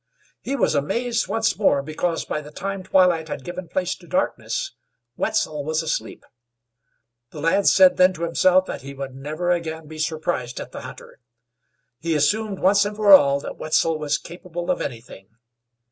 He was amazed once more, because, by the time twilight had given place to darkness, Wetzel was asleep. The lad said then to himself that he would never again be surprised at the hunter. He assumed once and for all that Wetzel was capable of anything.